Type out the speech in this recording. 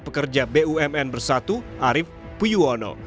pekerja bumn bersatu arief puyono